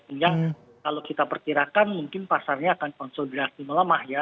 sehingga kalau kita perkirakan mungkin pasarnya akan konsolidasi melemah ya